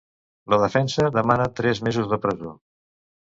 La defensa demana tres mesos de presó.